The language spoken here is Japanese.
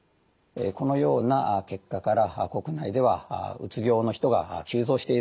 このような結果から国内ではうつ病の人が急増しているだろうと。